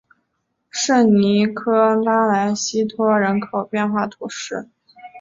圣尼科拉莱西托人口变化图示